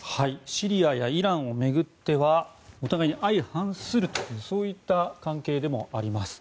シリアやイランを巡ってはお互いに相反するといった関係でもあります。